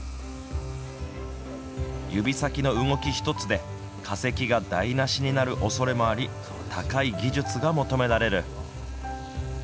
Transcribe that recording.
指先の動き一つで、化石が台なしになるおそれもあり、高い技術が求められる。